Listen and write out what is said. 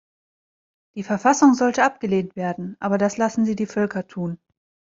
Die Verfassung sollte abgelehnt werden, aber das lassen Sie die Völker tun.